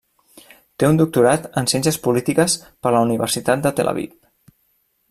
Té un doctorat en ciències polítiques per la Universitat de Tel Aviv.